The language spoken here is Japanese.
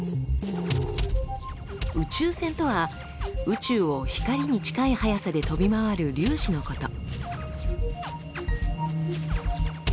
「宇宙線」とは宇宙を光に近い速さで飛び回る粒子のこと。